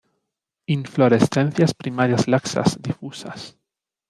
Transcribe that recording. Inflorescencias primarias laxas, difusas.